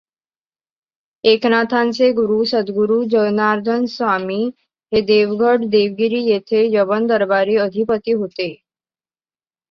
एकनाथांचे गुरू सद्गुरू जनार्दनस्वामी हे देवगड देवगिरी येथे यवन दरबारी अधिपती होते.